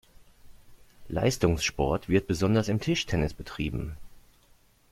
Leistungssport wird besonders im Tischtennis betrieben.